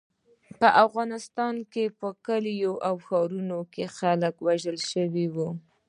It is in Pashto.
په افغانستان کې په کلیو او ښارونو کې خلک وژل شوي وو.